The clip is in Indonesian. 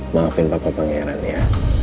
maafin papa pangeran ya